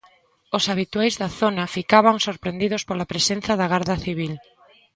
Os habituais da zona ficaban sorprendidos pola presenza da Garda Civil.